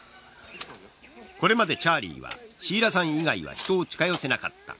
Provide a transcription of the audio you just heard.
これまでチャーリーはシーラさん以外は人を近寄せなかった。